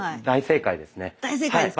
大正解ですか？